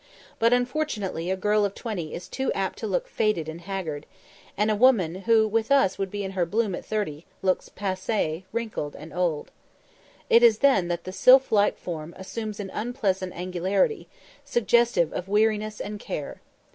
But unfortunately a girl of twenty is too apt to look faded and haggard; and a woman who with us would be in her bloom at thirty, looks passée, wrinkled, and old. It is then that the sylph like form assumes an unpleasant angularity, suggestive of weariness and care.